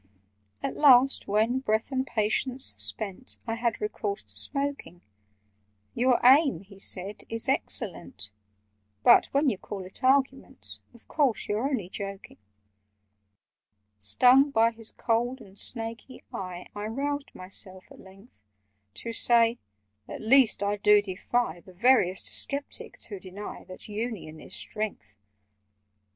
At last, when, breath and patience spent, I had recourse to smoking— "Your aim," he said, "is excellent: But—when you call it argument— Of course you're only joking?" [Picture: The phantom sitting on chair] Stung by his cold and snaky eye, I roused myself at length To say "At least I do defy The veriest sceptic to deny That union is strength!"